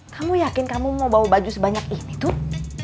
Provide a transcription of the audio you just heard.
kamu yakin kamu mau bawa baju sebanyak ini tuh